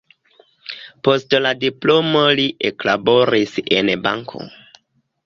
Post la diplomo li eklaboris en banko.